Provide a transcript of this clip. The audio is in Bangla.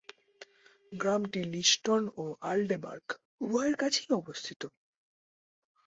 গ্রামটি লিষ্টন ও আলডেবার্গ উভয়ের কাছেই অবস্থিত।